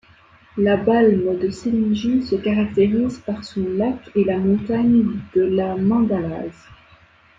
La Balme-de-Sillingy se caractérise par son lac et la montagne de la Mandallaz.